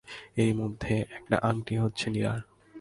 এর মধ্যে একটা আঙটি হচ্ছে নীলার।